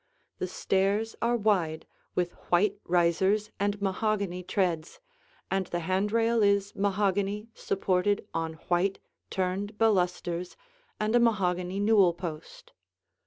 The stairs are wide, with white risers and mahogany treads, and the hand rail is mahogany supported on white, turned balusters and a mahogany newel post.